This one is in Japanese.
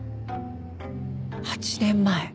８年前。